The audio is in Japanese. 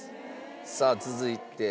さあ続いて。